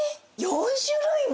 ４種類も？